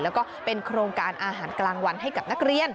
แล้วก็เป็นโครงการอาหารกลางวันให้กับนักเรียน